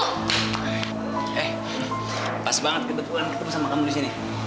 eh pas banget kebetulan kita bersama kamu disini